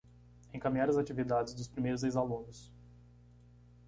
Encaminhar as atividades dos primeiros ex-alunos